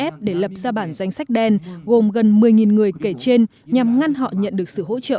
f để lập ra bản danh sách đen gồm gần một mươi người kể trên nhằm ngăn họ nhận được sự hỗ trợ